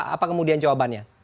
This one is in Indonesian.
apa kemudian jawabannya